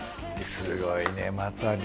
すごいねまた。